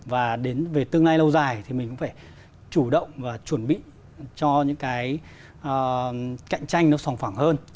và đến về tương lai lâu dài thì mình cũng phải chủ động và chuẩn bị cho những cái cạnh tranh nó sòng phẳng hơn